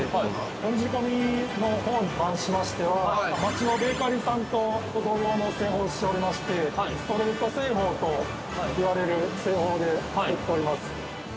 本仕込のほうに関しましては、まちのベーカリーさんと同様の製法をしておりまして、ストレート製法といわれる製法で作っております。